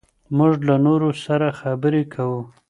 موږ له نورو سره خبرې کوو.